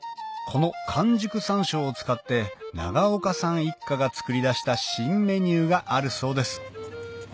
この完熟山椒を使って永岡さん一家が作り出した新メニューがあるそうです